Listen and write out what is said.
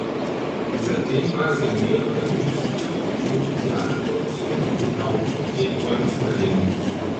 Seitdem war sie in mehreren Musical- und Theaterproduktionen in Haupt- und Nebenrollen zu erleben.